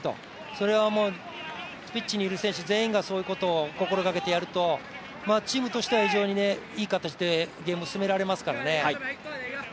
それはピッチにいる選手たち全員がそういうことを心がけてやるとチームとしては非常にいい形でゲーム、進められますからね。